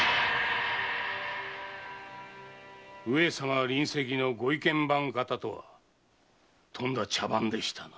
上様臨席の御意見番方とはとんだ茶番でしたな。